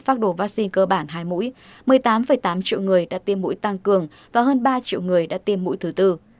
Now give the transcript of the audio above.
phát đồ vaccine cơ bản hai mũi một mươi tám tám triệu người đã tiêm mũi tăng cường và hơn ba triệu người đã tiêm mũi thứ tư